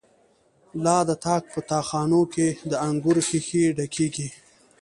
لا د تاک په تا خانو کی، د انگور ښیښی ډکیږی